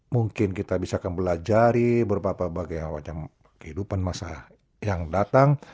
mungkin kita bisa akan belajari berapa apa bagian kehidupan masa yang datang